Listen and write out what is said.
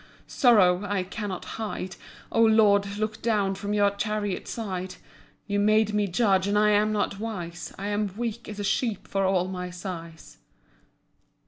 Sorrow! I cannot hide. Oh Lord look down from your chariot side. You made me Judge, and I am not wise. I am weak as a sheep for all my size."